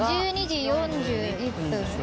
１２時４１分。